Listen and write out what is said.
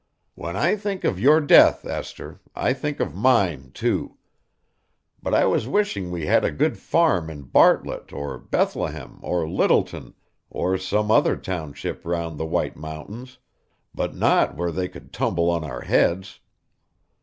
'When I think of your death, Esther, I think of mine, too. But I was wishing we had a good farm in Bartlett, or Bethlehem, or Littleton, or some other township round the White Mountains; but not where they could tumble on our heads.